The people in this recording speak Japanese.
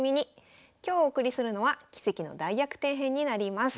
今日お送りするのは「奇跡の大逆転編」になります。